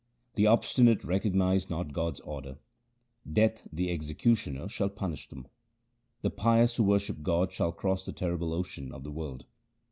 The obstinate recognize not God's order ; Death the executioner shall punish them. The pious who worship God shall cross the terrible ocean of the world.